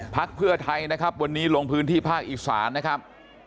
พักเพื่อไทยนะครับวันนี้ลงพื้นที่ภาคอีสานนะครับ